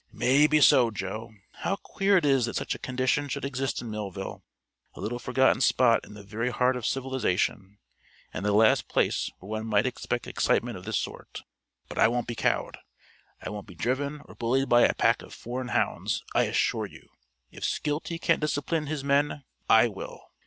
"Maybe so, Joe. How queer it is that such a condition should exist in Millville a little forgotten spot in the very heart of civilization and the last place where one might expect excitement of this sort. But I won't be cowed; I won't be driven or bullied by a pack of foreign hounds, I assure you! If Skeelty can't discipline his men, I will."